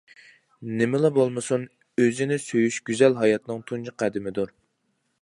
نېمىلا بولمىسۇن، ئۆزىنى سۆيۈش گۈزەل ھاياتنىڭ تۇنجى قەدىمىدۇر.